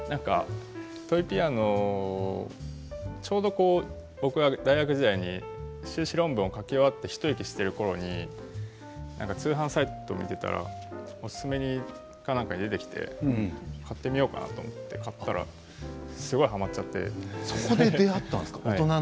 トイピアノ、ちょうど大学時代に修士論文を書き終わって一息しているころに通販サイトを見ていたらおすすめに出てきて買ってみようかなと思って買ったら大人になってから出会ったんですか？